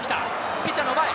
ピッチャーの前。